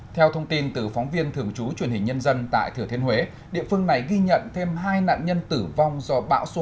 theo thông tin từ phóng viên thường trú truyền hình nhân dân tại thừa thiên huế địa phương này ghi nhận thêm hai nạn nhân tử vong do bão số năm